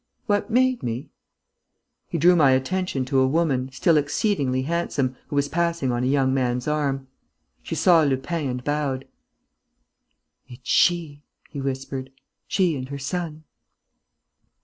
"What made me ...?" He drew my attention to a woman, still exceedingly handsome, who was passing on a young man's arm. She saw Lupin and bowed. "It's she," he whispered. "She and her son."